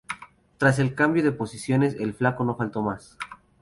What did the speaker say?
Tras el cambio de posiciones, el Flaco no faltó más.